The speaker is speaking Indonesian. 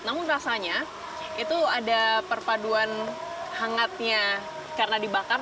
namun rasanya itu ada perpaduan hangatnya karena dibakar